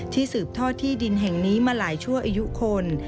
สืบทอดที่ดินแห่งนี้มาหลายชั่วอายุคน